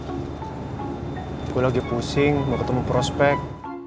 drak gue lagi pusing mau ketemu prospek